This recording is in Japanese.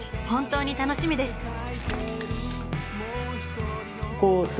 本当に楽しみです！